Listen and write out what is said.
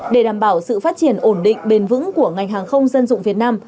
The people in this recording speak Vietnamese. để đảm bảo sự phát triển ổn định bền vững của ngành hàng không dân dụng việt nam